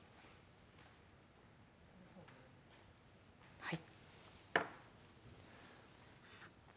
はい